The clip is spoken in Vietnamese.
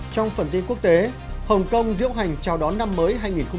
trong phần tin quốc tế hồng kông diễu hành chào đón năm mới hai nghìn một mươi bảy